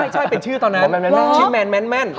ใช่เป็นชื่อตอนนั้น